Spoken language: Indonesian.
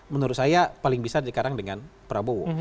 menurut saya paling bisa sekarang dengan prabowo